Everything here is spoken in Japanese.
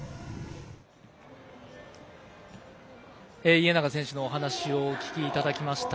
家長選手のお話をお聞きいただきました。